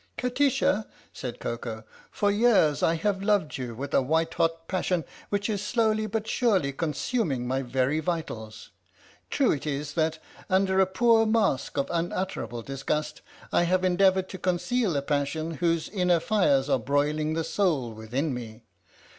" Kati sha," said Koko, " for years I have loved you with a white hot passion which is slowly but surely consuming my very vitals! True it is that, under a poor mask of unutterable disgust, I have endeavoured to conceal a passion whose inner fires are broiling the soul within me!